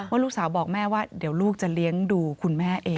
ลูกสาวบอกแม่ว่าเดี๋ยวลูกจะเลี้ยงดูคุณแม่เอง